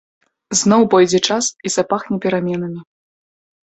Зноў пойдзе час і запахне пераменамі.